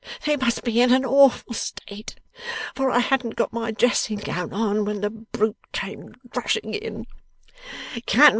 They must be in an awful state, for I hadn't got my dressing gown on, when the brute came rushing in.